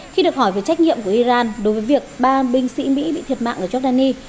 khi được hỏi về trách nhiệm của iran đối với việc ba binh sĩ mỹ bị thiệt mạng ở giordani